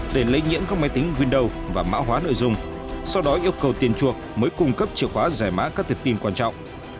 để lấy nhiễm các máy tính gindow và mã hóa nội dung sau đó yêu cầu tiền chuộc mới cung cấp chìa khóa giải mã các tiệt tin quan trọng